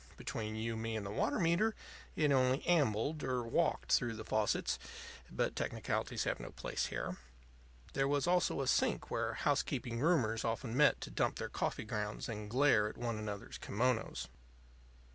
Between you and me and the water meter, it only ambled or walked through the faucets; but technicalities have no place here. There was also a sink where housekeeping roomers often met to dump their coffee grounds and glare at one another's kimonos.